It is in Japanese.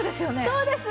そうです！